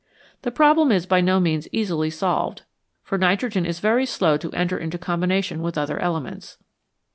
The problem is by no means easily solved, for nitrogen is very slow to enter into combination with other elements.